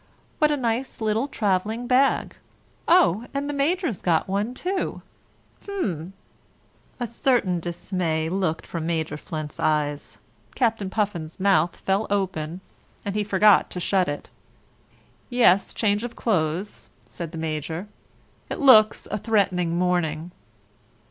"What a nice little travelling bag! Oh, and the Major's got one too! H'm!" A certain dismay looked from Major Flint's eyes, Captain Puffin's mouth fell open, and he forgot to shut it. "Yes; change of clothes," said the Major. "It looks a threatening morning."